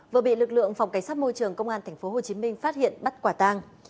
vừa bị lực lượng phòng cảnh sát môi trường công an tp hcm phát hiện bắt quả tang